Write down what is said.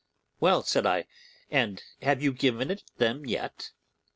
'Well,' said I, 'and have you given it them yet?